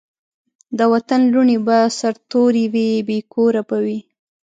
د وطن لوڼي به سرتوري وي بې کوره به وي